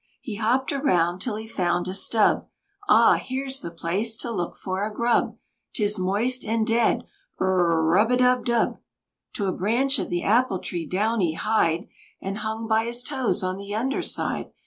He hopped around till he found a stub, Ah, here's the place to look for a grub! 'Tis moist and dead rrrrr rub dub dub. To a branch of the apple tree Downy hied, And hung by his toes on the under side.